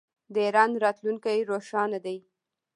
د ایران راتلونکی روښانه دی.